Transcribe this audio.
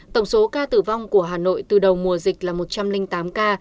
tổng số ca tử vong của hà nội từ đầu mùa dịch là một trăm linh tám ca